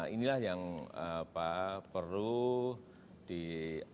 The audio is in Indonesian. inilah yang perlu diorangkan